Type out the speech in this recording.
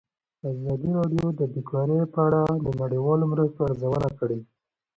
ازادي راډیو د بیکاري په اړه د نړیوالو مرستو ارزونه کړې.